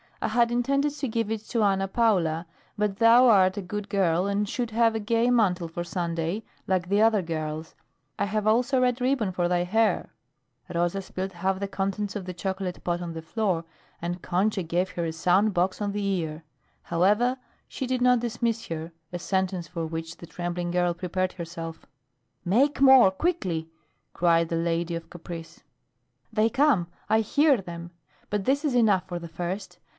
I had intended to give it to Ana Paula, but thou art a good girl and should have a gay mantle for Sunday, like the other girls. I have also a red ribbon for thy hair " Rosa spilt half the contents of the chocolate pot on the floor and Concha gave her a sound box on the ear. However, she did not dismiss her, a sentence for which the trembling girl prepared herself. "Make more quickly!" cried the lady of caprice. "They come. I hear them. But this is enough for the first.